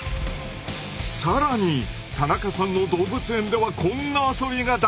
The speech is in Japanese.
更に田中さんの動物園ではこんな遊びが大流行！